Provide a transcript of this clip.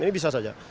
ini bisa saja